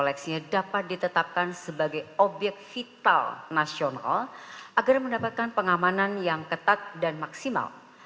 seleksinya dapat ditetapkan sebagai obyek vital nasional agar mendapatkan pengamanan yang ketat dan maksimal